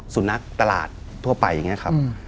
สุนัขตลาดทั่วไปอย่างนี้ครับ